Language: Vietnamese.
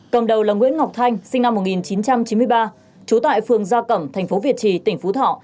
cầm đầu là nguyễn ngọc thanh sinh năm một nghìn chín trăm chín mươi ba trú tại phường gia cẩm thành phố việt trì tỉnh phú thọ